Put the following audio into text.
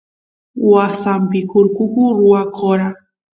wasampi kurku rwakora